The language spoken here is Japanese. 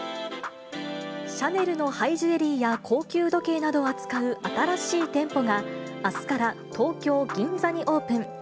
シャネルのハイジュエリーや高級時計などを扱う新しい店舗が、あすから東京・銀座にオープン。